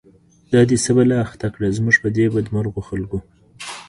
دا دی څه بلا اخته کړه، زموږ په دی بد مرغو خلکو